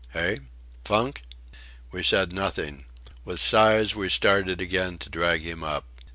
Hey? Funk?" We said nothing. With sighs we started again to drag him up.